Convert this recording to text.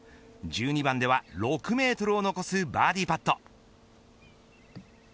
１２番では６メートルを残すバーディーパット。